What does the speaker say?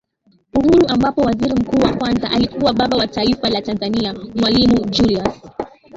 uhuru ambapo Waziri Mkuu wa kwanza alikuwa Baba wa Taifa la Tanzania Mwalimu Julius